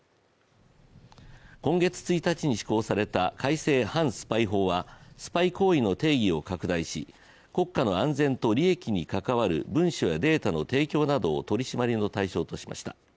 今月１日に施行された改正反スパイ法はスパイ行為の定義を拡大し国家の安全と利益に関わる文書やデータの提供などを取り締まりの対象としました。